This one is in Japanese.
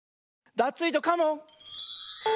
ダツイージョカモン！